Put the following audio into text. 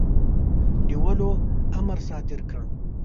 نیولو امر صادر کړ.